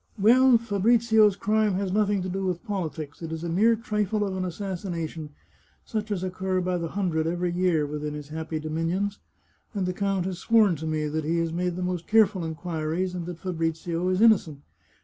Well, Fabrizio's crime has nothing to do with politics ; it is a mere trifle of an assassination, such as occur by the hundred every year within his happy dominions, and the count has sworn to me that he has made the most careful inquiries, and that Fabrizio is innocent.